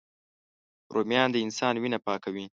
رومیان د انسان وینه پاکوي